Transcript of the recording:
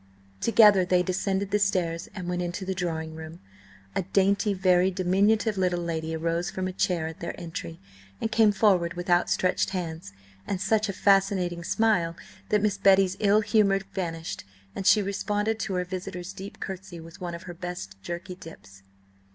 Together they descended the stairs, and went into the drawing room. A dainty, very diminutive little lady arose from a chair at their entry, and came forward with outstretched hands, and such a fascinating smile that Miss Betty's ill humour vanished, and she responded to her visitor's deep curtsy with one of her best jerky dips.